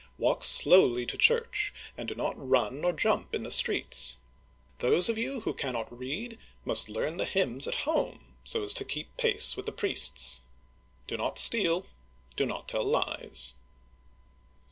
Walk slowly to church, and do not run or jump in the streets. Those of you who cannot read must learn the hymns at home, so as to keep pace with the priests. Do not steal. Do not tell lies."